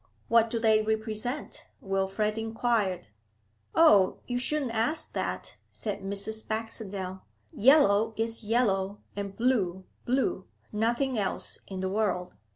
'What do they represent?' Wilfrid inquired. 'Oh, you shouldn't ask that,' said Mrs. Baxendale. 'Yellow is yellow, and Blue, blue; nothing else in the world.